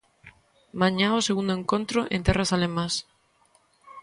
Mañá o segundo encontro en terras alemás.